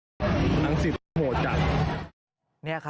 เจอคนมั้ยน่ะ